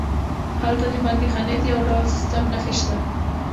هلته د بندیخانې د یو ډول سیسټم نښې شته.